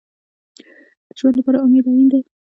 د ژوند لپاره امید اړین دی